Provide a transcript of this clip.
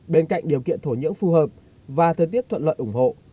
bên cạnh điều kiện thổ nhưỡng phù hợp và thời tiết thuận lợi ủng hộ